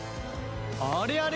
あれあれ？